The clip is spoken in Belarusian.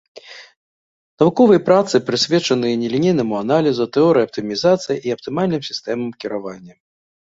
Навуковыя працы прысвечаны нелінейнаму аналізу, тэорыі аптымізацыі і аптымальным сістэмам кіравання.